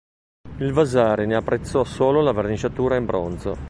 Il Vasari ne apprezzò solo la verniciatura in bronzo.